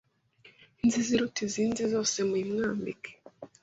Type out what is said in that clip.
inziza iruta izindi zose, muyimwambike,